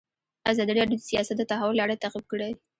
ازادي راډیو د سیاست د تحول لړۍ تعقیب کړې.